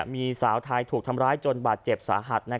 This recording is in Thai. มีสาวไทยถูกทำร้ายจนบาดเจ็บสาหัส